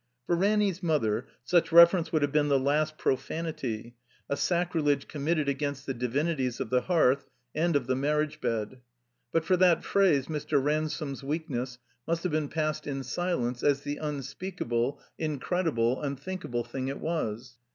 For 34 THE COMBINED MAZE Ranny's mother, such reference would have been the last profanity, a sacrilege committed against the divinities of the hearth and of the marriage bed. But for that phrase Mr. Ransome's weakness must have been passed in silence as the tmspeakable, in credible, tmthinkable thing it was.